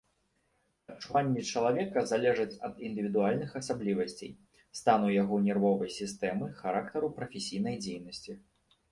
Адчуванні чалавека залежаць ад індывідуальных асаблівасцей, стану яго нервовай сістэмы, характару прафесійнай дзейнасці.